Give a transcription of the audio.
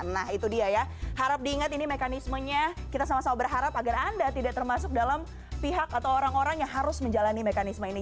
nah itu dia ya harap diingat ini mekanismenya kita sama sama berharap agar anda tidak termasuk dalam pihak atau orang orang yang harus menjalani mekanisme ini